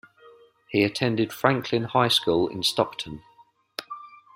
He attended Franklin High School in Stockton.